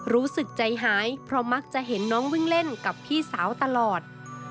รู้สึกใจหายเพราะมักจะเห็นน้องวิ่งเล่นกับพี่สาวตลอด